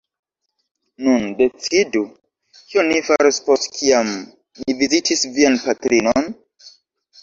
Nun decidu, kion ni faros, post kiam ni vizitis vian patrinon?